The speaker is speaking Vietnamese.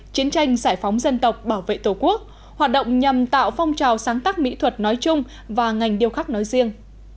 chiến tranh giải phóng dân tộc bảo vệ tổ quốc hoạt động nhằm tạo phong trào sáng tác mỹ thuật nói chung và ngành điêu khắc nói riêng